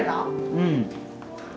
うん。